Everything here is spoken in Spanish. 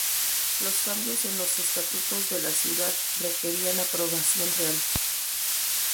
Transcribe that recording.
Los cambios en los estatutos de la ciudad requerían aprobación real.